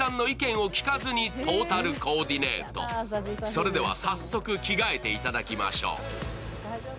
それでは早速、着替えていただきましょう。